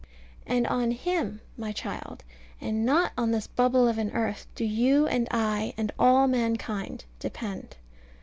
And on Him, my child, and not on this bubble of an earth, do you and I, and all mankind, depend.